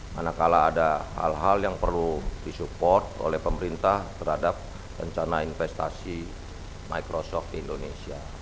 manakala ada hal hal yang perlu disupport oleh pemerintah terhadap rencana investasi microsoft di indonesia